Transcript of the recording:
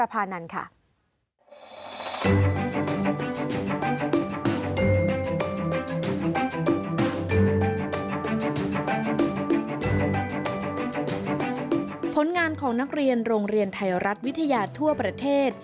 ผลงานของนักเรียนโรงเรียนไทยรัฐวิทยาทั่วประเทศ